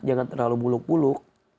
jangan terlalu muluk muluk